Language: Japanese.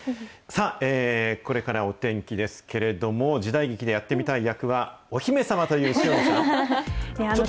さあ、これからお天気ですけれども、時代劇でやってみたい役はお姫様という塩見さん。